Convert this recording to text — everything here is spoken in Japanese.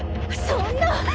そんな！